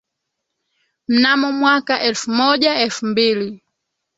mnamo mwaka elfu moja elfu mbili